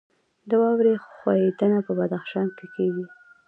د واورې ښویدنه په بدخشان کې کیږي